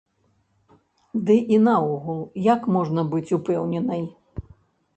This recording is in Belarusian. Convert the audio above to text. Ды і наогул, як можна быць упэўненай?